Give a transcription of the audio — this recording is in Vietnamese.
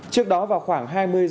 trước khi đối tượng đối tượng đối tượng